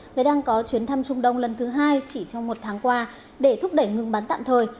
người đang có chuyến thăm trung đông lần thứ hai chỉ trong một tháng qua để thúc đẩy ngừng bắn tạm thời